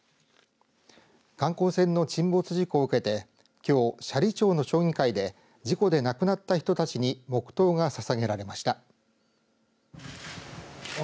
観光船の沈没事故を受けてきょう斜里町の町議会で事故で亡くなった人たちに黙とうがささげられました。